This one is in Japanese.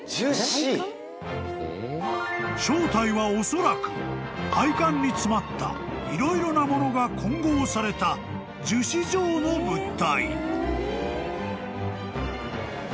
［正体はおそらく配管に詰まった色々なものが混合された樹脂状の物体］